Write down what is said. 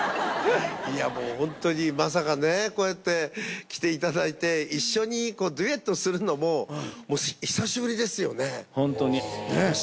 いやもうホントにまさかねこうやって来ていただいて一緒にデュエットするのも久しぶりですよね。